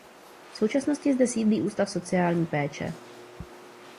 V současnosti zde sídlí ústav sociální péče.